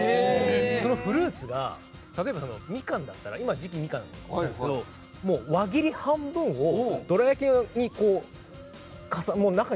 そのフルーツが例えばミカンだったら今、時期がミカンなんですけど輪切り半分をどら焼きの中に。